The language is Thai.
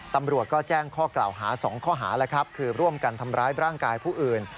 ตำรวจก็แจ้งข้อกล่าวหา๒ข้อหาแล้วครับคือร่วมกันทำร้ายร่างกายผู้อื่น